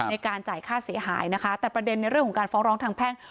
ในการจ่ายค่าเสียหายนะคะแต่ประเด็นในเรื่องของการฟ้องร้องทางแพ่ง